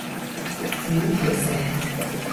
軟皮蛇